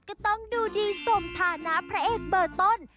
ก็ต้องดูดีสมฐานะพระเอกเบอร์ต้น